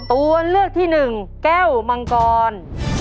ตัวเลขที่๑แก้วมังกร